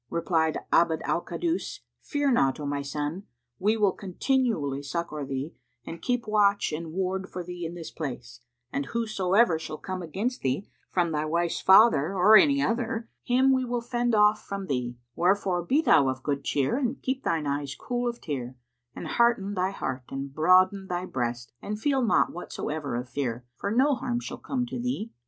Replied Abd al Kaddus, "Fear not, O my son; we will continually succour thee and keep watch and ward for thee in this place; and whosoever shall come against thee from thy wife's father or any other, him we will fend off from thee; wherefore be thou of good cheer and keep thine eyes cool of tear, and hearten thy heart and broaden thy breast and feel naught whatsoever of fear, for no harm shall come to thee."